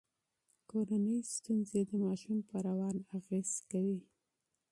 کورنۍ ستونزې د ماشوم په روان اغیز کوي.